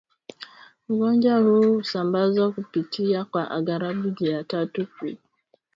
Ugonjwa huu husambazwa kupitia kwa angalau njia tatu kuu